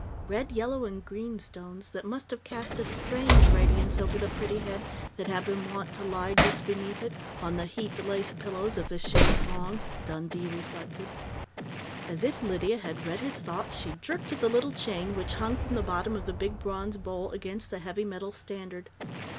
Red, yellow and green stones that must have cast a strange radiance over the pretty head that had been wont to lie just beneath it, on the heaped lace pillows of the chaise lounge, Dundee reflected. As if Lydia had read his thoughts, she jerked at the little chain which hung from the bottom of the big bronze bowl against the heavy metal standard.